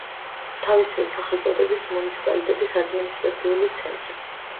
თავისივე სახელწოდების მუნიციპალიტეტის ადმინისტრაციული ცენტრი.